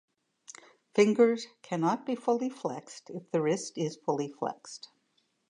Fingers cannot be fully flexed if the wrist is fully flexed.